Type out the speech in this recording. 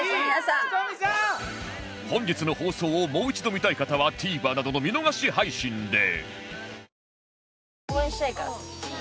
本日の放送をもう一度見たい方は ＴＶｅｒ などの見逃し配信で